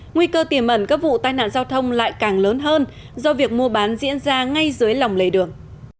nguy cơ tiềm ẩn các vụ tai nạn giao thông lại càng lớn hơn do việc mua bán diễn ra ngay dưới lòng lề đường